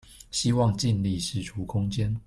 希望盡力釋出空間